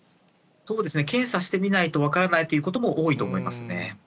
そうですね、検査してみないと分からないということも多いと思いますね。